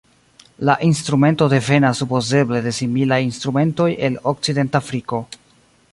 La instrumento devenas supozeble de similaj instrumentoj el Okcidentafriko.